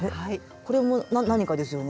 これも何かですよね